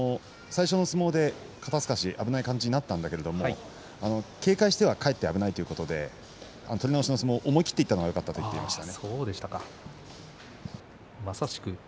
最初の相撲で肩すかし危ない感じになったんだけれど警戒しては、かえって危ないということで、取り直しの相撲は思い切っていったのがよかったということでした。